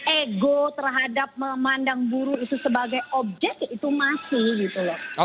ego terhadap memandang buruh itu sebagai objek ya itu masih gitu loh